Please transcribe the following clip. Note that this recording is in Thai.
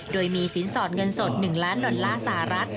โดยมีสินสอดเงินสด๑ล้านดอลลาร์สหรัฐ